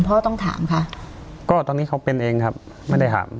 พ่อต้องถามค่ะก็ตอนนี้เขาเป็นเองครับไม่ได้ถาม